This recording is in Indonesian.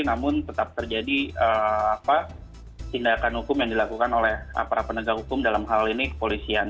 namun tetap terjadi tindakan hukum yang dilakukan oleh aparat penegak hukum dalam hal ini kepolisian